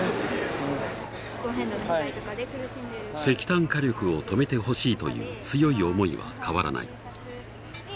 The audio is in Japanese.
石炭火力を止めてほしいという強い思いは変わらない。